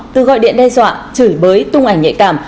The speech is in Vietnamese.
từ gọi điện đe dọa chửi bới tung ảnh nhạy cảm